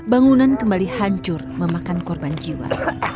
bangunan kembali hancur memakan korban jiwa